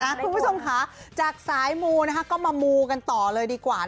คุณผู้ชมค่ะจากสายมูนะคะก็มามูกันต่อเลยดีกว่า